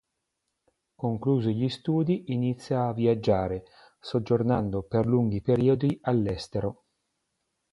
Conclusi gli studi inizia a viaggiare, soggiornando per lunghi periodi all'estero.